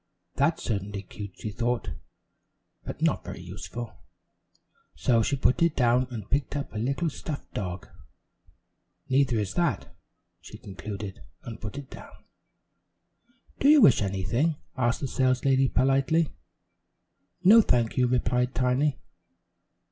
"That's certainly cute," she thought, "but not very useful," so she put it down and picked up a little stuffed dog. "Neither is that," she concluded and put it down. "Do you wish anything?" asked the saleslady politely. "No, thank you," replied Tiny.